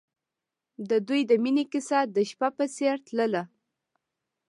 د دوی د مینې کیسه د شپه په څېر تلله.